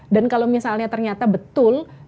dan kalau misalnya ternyata betul